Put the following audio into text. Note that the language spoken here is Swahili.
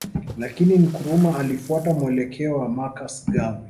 Lakini Nkrumah alifuata mwelekeo wa Marcus Garvey